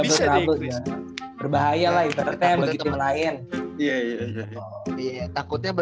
berbahaya lah ibaratnya bagi tim lain